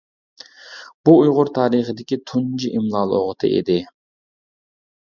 بۇ ئۇيغۇر تارىخىدىكى تۇنجى ئىملا لۇغىتى ئىدى.